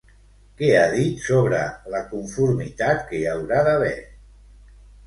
Què ha dit sobre la conformitat que hi haurà d'haver?